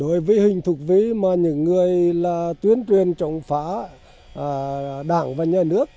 đối với hình thục vĩ mà những người là tuyến truyền chống phá đảng và nhà nước